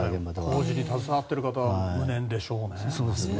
工事に携わっている方は無念でしょうね。